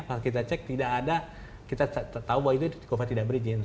kalau kita cek tidak ada kita tahu bahwa itu cova tidak berizin